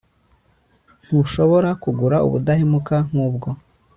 ntushobora kugura ubudahemuka nk'ubwo